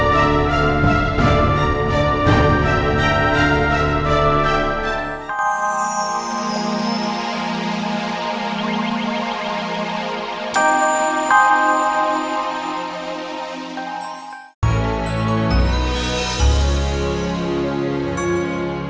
sampai jumpa lagi